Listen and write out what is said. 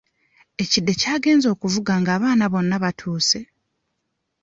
Ekide ky'agenze okuvuga nga abaana bonna batuuse.